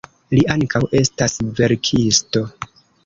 Li ankaŭ estas verkisto.